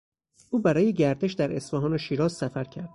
او برای گردش در اصفهان و شیراز سفر کرد